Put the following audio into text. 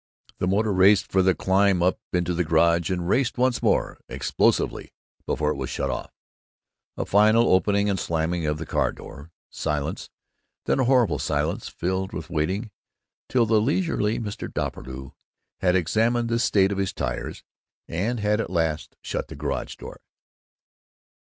The motor raced for the climb up into the garage and raced once more, explosively, before it was shut off. A final opening and slamming of the car door. Silence then, a horrible silence filled with waiting, till the leisurely Mr. Doppelbrau had examined the state of his tires and had at last shut the garage door.